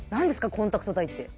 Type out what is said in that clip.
コンタクトダイって。